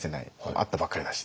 会ったばっかりだし。